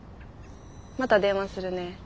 また電話するね。